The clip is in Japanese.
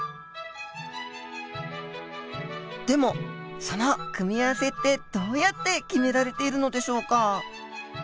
でもその組み合わせってどうやって決められているのでしょうか？